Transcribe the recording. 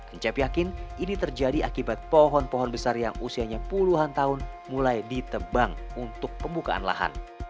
encep yakin ini terjadi akibat pohon pohon besar yang usianya puluhan tahun mulai ditebang untuk pembukaan lahan